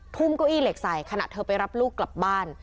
เก้าอี้เหล็กใส่ขณะเธอไปรับลูกกลับบ้าน